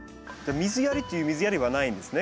水やりという水やりはないんですね。